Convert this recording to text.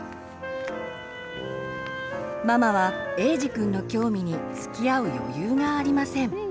ママはえいじくんの興味につきあう余裕がありません。